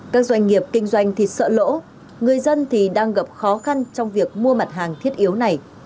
các doanh nghiệp kinh doanh thì sợ lỗ người dân thì đang gặp khó khăn trong việc mua mặt hàng thiết yếu này